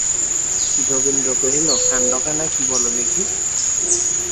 যোগেন্দ্র কহিল, কাণ্ডখানা কী বলো দেখি।